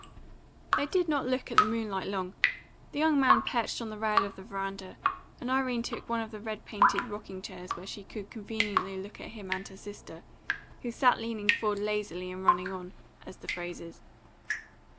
They did not look at the moonlight long. The young man perched on the rail of the veranda, and Irene took one of the red painted rocking chairs where she could conveniently look at him and at her sister, who sat leaning forward lazily and running on, as the phrase is.